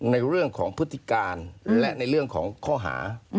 ในเรื่องของพฤติการและในเรื่องของข้อหา